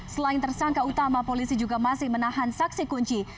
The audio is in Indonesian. selain tersangka utama polisi juga masih menahan saksi kunci